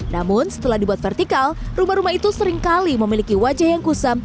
namun setelah dibuat vertikal rumah rumah itu seringkali memiliki wajah yang kusam